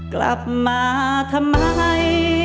กลับมาทำไม